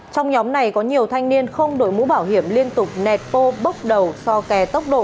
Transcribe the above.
trong nhóm này có nhiều thanh niên không đội mũ bảo hiểm liên tục nẹt pô bốc đầu so kè tốc độ